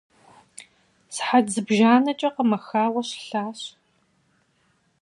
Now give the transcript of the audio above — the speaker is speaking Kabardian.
Сыхьэт зыбжанэкӏэ къэмэхауэ щылъащ.